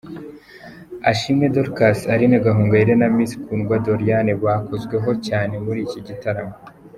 Asiimwe Dorcas, Aline Gahogayire na Miss Kundwa Doriane bakozweho cyane muri iki gitaramo.